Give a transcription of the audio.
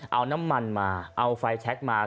เอาน้ำมันมาเอาไฟแชคมา